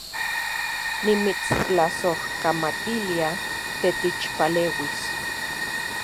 Nimitstlasojkamatilia titechpaleuis